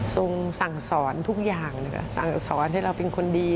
สั่งสอนทุกอย่างนะคะสั่งสอนให้เราเป็นคนดี